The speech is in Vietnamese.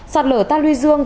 sạt lở ta lưu dương